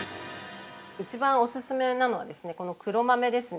◆一番オススメなのがこの黒豆ですね。